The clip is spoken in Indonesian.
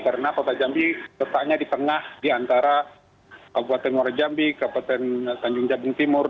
karena kota jambi tetapnya di tengah di antara kabupaten mura jambi kabupaten tanjung jambung timur